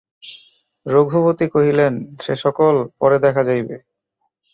রঘুপতি কহিলেন, সে–সকল পরে দেখা যাইবে।